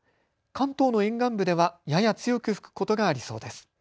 関東の沿岸部ではやや強く吹くことがありそうです。